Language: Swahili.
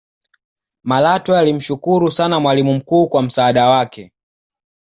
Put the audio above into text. malatwe alimshukru sana mwalimu mkuu kwa msaada wake